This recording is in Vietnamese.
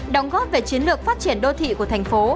đóng góp về chiến lược phát triển đô thị của thành phố